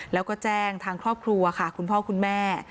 แล้วก็แจ้งทางครอบครัวค่ะคุณพ่อคุณแม่